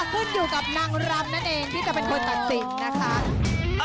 ขึ้นอยู่กับนางรำนั่นเองที่จะเป็นคนตัดสินนะคะ